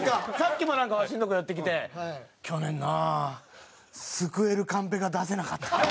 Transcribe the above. さっきもなんかわしのとこ寄ってきて「去年な救えるカンペが出せなかった」。